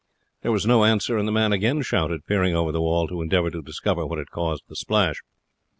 There was no answer, and the man again shouted, peering over the wall to endeavour to discover what had caused the splash.